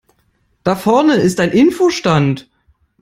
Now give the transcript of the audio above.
Da vorne ist ein Info-Stand.